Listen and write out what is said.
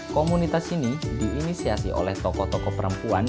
komunitas ini diinisiasi oleh tokoh tokoh perempuan